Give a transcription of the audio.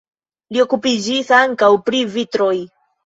Li okupiĝis ankaŭ pri vitroj.